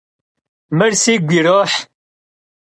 Mır sigu yiroh.